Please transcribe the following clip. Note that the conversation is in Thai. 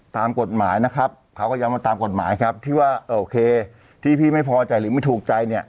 ตามกฎหมายนะครับเขาก็ย้ำว่าตามกฎหมายครับที่ว่าโอเคที่พี่ไม่พอใจหรือไม่ถูกใจเนี่ย